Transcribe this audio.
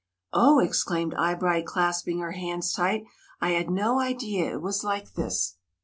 " Oh !" exclaimed Eyebright, clasping her hands tight; "I had no idea it was like this."